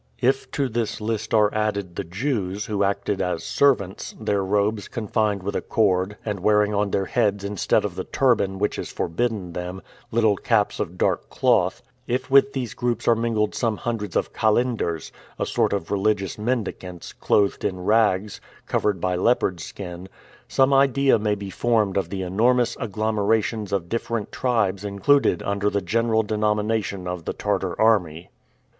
If to this list are added the Jews, who acted as servants, their robes confined with a cord, and wearing on their heads instead of the turban, which is forbidden them, little caps of dark cloth; if with these groups are mingled some hundreds of "kalenders," a sort of religious mendicants, clothed in rags, covered by a leopard skin, some idea may be formed of the enormous agglomerations of different tribes included under the general denomination of the Tartar army.